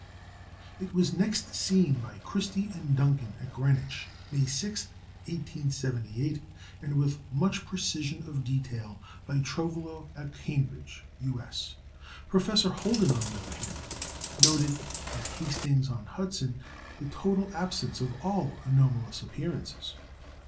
It was next seen by Christie and Dunkin at Greenwich, May 6, 1878, and with much precision of detail by Trouvelot at Cambridge (U.S.). Professor Holden, on the other hand, noted at Hastings on Hudson the total absence of all anomalous appearances.